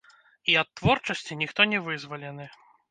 І ад творчасці ніхто не вызвалены!